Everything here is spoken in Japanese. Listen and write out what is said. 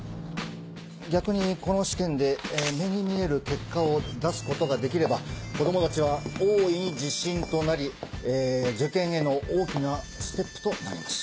逆にこの試験で目に見える結果を出すことができれば子供たちは大いに自信となり受験への大きなステップとなります。